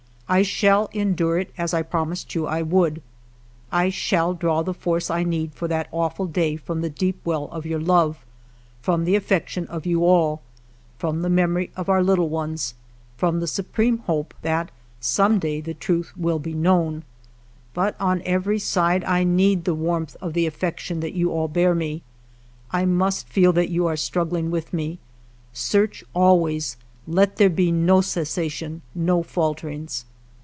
I shall endure it, as I promised you I would. I shall draw the force I need for that awful day from the deep well of your love, from the affection of you all, from the memory of our little ones, from the supreme hope that some day the truth will be 40 FIVE YEARS OF MY LIFE known. But on every side I need the warmth of the affection that you all bear me ; I must feel that you are struggling with me. Search always ; let there be no cessation, no falterings.